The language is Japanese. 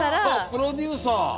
プロデューサー！